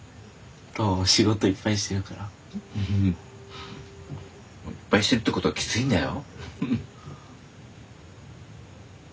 仕事いっぱいしてるから。フフフ！いっぱいしてるってことはきついんだよ。